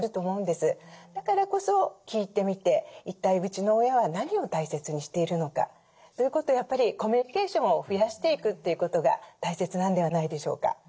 だからこそ聞いてみて一体うちの親は何を大切にしているのかということをやっぱりコミュニケーションを増やしていくということが大切なんではないでしょうか。